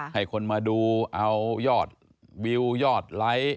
ให้คนมาดูเอายอดวิวยอดไลค์